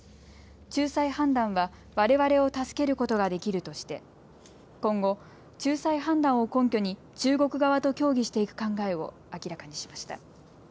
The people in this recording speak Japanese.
仲裁判断はわれわれを助けることができるとして今後、仲裁判断を根拠に中国側と協議していく考えを明らかにしました。